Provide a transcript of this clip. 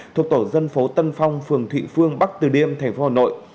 thuộc tổ dân phố tân phong phường thụy phương bắc từ liêm thành phố hà nội